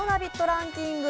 ランキング。